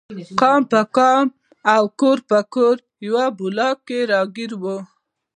قام په قام او کور په کور یوې بلا کې راګیر و.